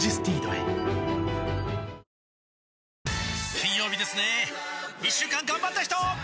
金曜日ですね一週間がんばった人！